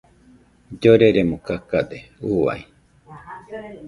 Lloreremo kakade uai.